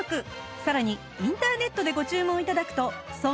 さらにインターネットでご注文頂くと送料無料です